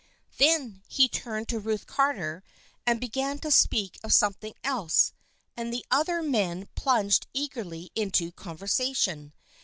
Then he turned to Ruth Carter and began to speak of something else, and the other young men plunged eagerly into conversation.